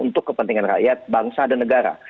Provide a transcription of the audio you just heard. untuk kepentingan rakyat bangsa dan negara